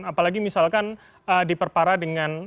apalagi misalkan diperparah dengan